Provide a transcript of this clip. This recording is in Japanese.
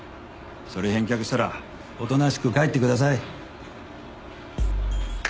それ返却したらおとなしく帰ってください。